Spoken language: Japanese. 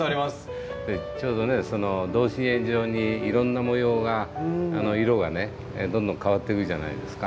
ちょうどねその同心円状にいろんな模様が色がねどんどん変わっていくじゃないですか。